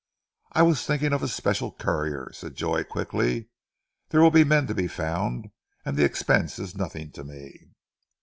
"I was thinking of a special courier," said Joy quickly. "There will be men to be found, and the expense is nothing to me."